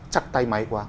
chắc tay máy qua